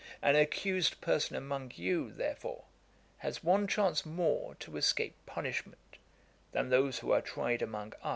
An accused person among you, therefore, has one chance more to escape punishment, than those who are tried among us.'